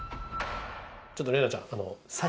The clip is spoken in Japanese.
ちょっとれいなちゃん。